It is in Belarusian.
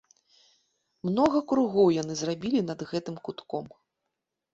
Многа кругоў яны зрабілі над гэтым кутком.